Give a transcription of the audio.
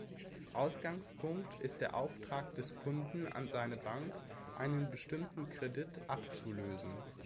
Ausgangspunkt ist der Auftrag des Kunden an seine Bank, einen bestimmten Kredit abzulösen.